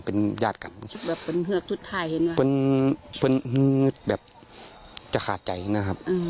เป็นญาติกันแบบเป็นเฮือดทุกท่ายเห็นไหมเป็นเป็นเฮือดแบบจะขาดใจนะครับ